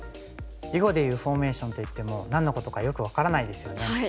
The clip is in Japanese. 囲碁でいうフォーメーションといっても何のことかよく分からないですよね。